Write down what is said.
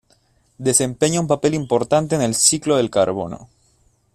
Desempeña un papel importante en el ciclo del carbono.